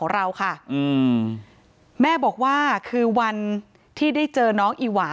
เราก็ยินยอมให้เราไปถ่ายภาพนะคะ